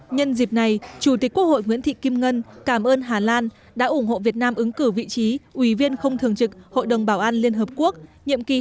nhân dịp này chủ tịch quốc hội nguyễn thị kim ngân cảm ơn hà lan đã ủng hộ việt nam ứng cử vị trí ủy viên không thường trực hội đồng bảo an liên hợp quốc nhiệm kỳ hai nghìn hai mươi hai nghìn hai mươi một